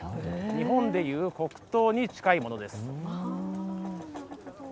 日本でいう、黒糖に近いものです。